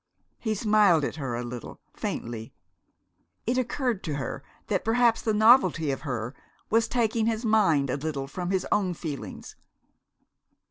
He smiled at her a little, faintly. It occurred to her that perhaps the novelty of her was taking his mind a little from his own feelings.